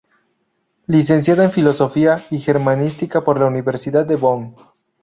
Licenciada en filosofía y germanística por la Universidad de Bonn.